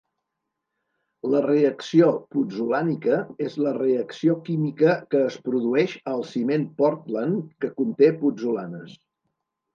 La reacció putzolànica és la reacció química que es produeix al ciment pòrtland que conté putzolanes.